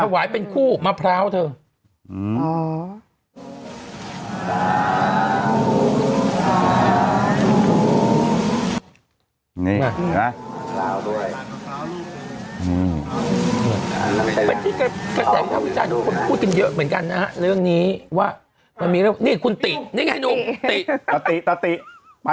วายเป็นคู่มะพร้าวเถอะ